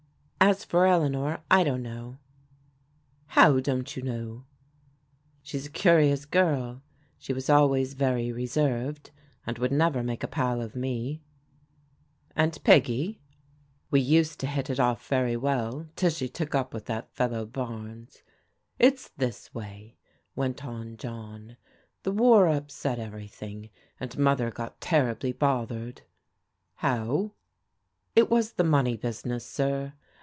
"As for Eleanor — ^I don't know. How don't you know ?" She's a curious girl. She was always very reserved, and would never make a pal of me. VVIIXI JT X Know." «one 2> a i;uiiuu5 gm. one wcis iciKc a. pai ox me." "And Peggy?" " We used to hit it off very well till she took up with that fellow Barnes. It's this way," went on John. " The war upset everything and Mother got terribly bothered." "How?" " It was the money business, sir.